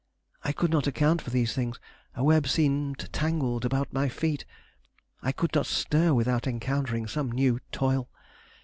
I could not account for these things. A web seemed tangled about my feet. I could not stir without encountering some new toil.